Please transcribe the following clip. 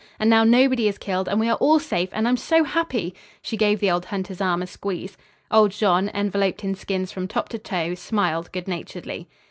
And now nobody is killed and we are all safe and I'm so happy!" She gave the old hunter's arm a squeeze. Old Jean, enveloped in skins from top to toe, smiled good naturedly.